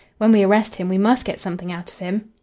When we arrest him we must get something out of him."